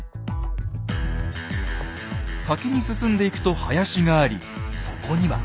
先に進んでいくと林がありそこには。